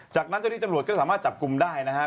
จากนั้นเจ้าที่ตำรวจก็สามารถจับกลุ่มได้นะครับ